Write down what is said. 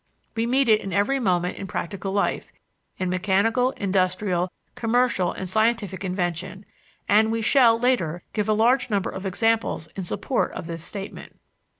We meet it every moment in practical life, in mechanical, industrial, commercial, and scientific invention, and we shall, later, give a large number of examples in support of this statement.